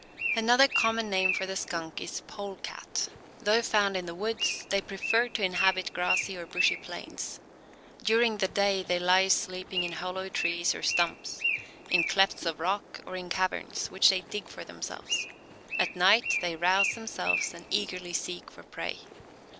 Another common name for the Skunk is Polecat. Though found in the woods, they prefer to inhabit grassy or bushy plains. During the day they lie sleeping in hollow trees or stumps, in clefts of rocks, or in caverns, which they dig for themselves; at night they rouse themselves and eagerly seek for prey.